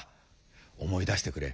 思い出してくれ。